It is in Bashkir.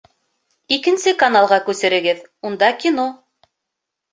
Икенсе каналға күсерегеҙ, унда кино